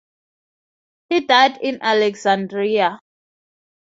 He died in Alexandria.